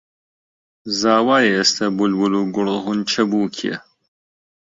زاوایە ئێستە بولبول و گوڵخونچە بووکییە